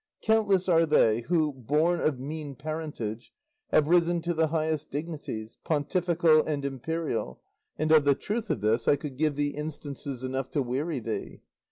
Countless are they who, born of mean parentage, have risen to the highest dignities, pontifical and imperial, and of the truth of this I could give thee instances enough to weary thee.